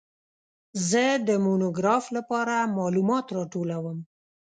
زه د مونوګراف لپاره معلومات راټولوم.